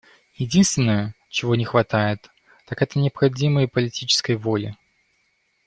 Единственное, чего не хватает, так это необходимой политической воли.